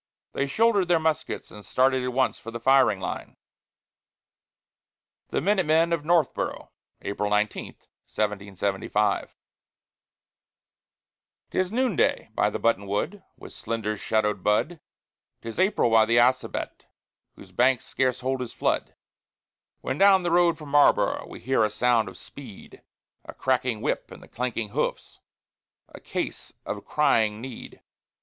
They shouldered their muskets and started at once for the firing line. THE MINUTE MEN OF NORTHBORO' [April 19, 1775] 'Tis noonday by the buttonwood, with slender shadowed bud; 'Tis April by the Assabet, whose banks scarce hold his flood; When down the road from Marlboro' we hear a sound of speed A cracking whip and clanking hoofs a case of crying need!